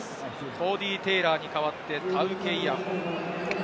コーディー・テイラーに代わってタウケイアホ。